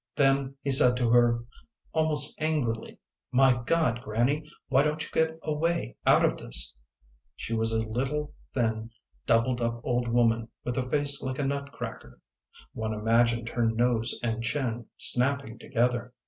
Then he said to her almost angrily, ''My Ck)d, granny, why don't you get away out of thist" She was a little thin doubled up old woman with a face like a nutcracker ; one imagined her nose and chin snapping together.